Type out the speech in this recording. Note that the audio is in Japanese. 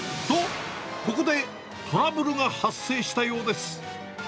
と、ここでトラブルが発生したようです。